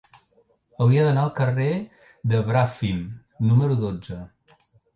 Hauria d'anar al carrer de Bràfim número dotze.